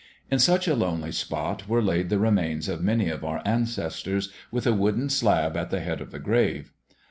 In such a lonely spot were laid the remains of many of our ancestors, with a wooden slab at the head of the grave.